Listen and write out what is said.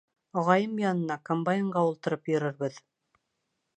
— Ағайым янына, комбайнға ултырып йөрөрбөҙ.